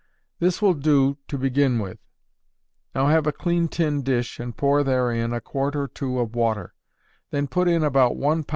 This will do to begin with. Now have a clean tin dish and pour therein a quart or two of water; then put in about 1 lb.